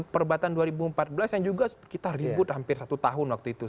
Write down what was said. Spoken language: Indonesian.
perbatan dua ribu empat belas yang juga kita ribut hampir satu tahun waktu itu